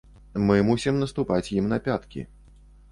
Мы мусім наступаць ім на пяткі.